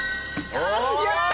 やった！